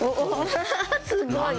すごーい！